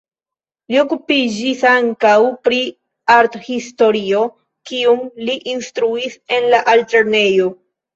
Li okupiĝis ankaŭ pri arthistorio, kiun li instruis en la altlernejo.